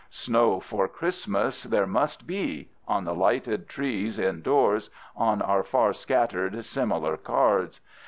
Snow for Christmas there must be—on the lighted trees indoors, on our far scattered, similar cards.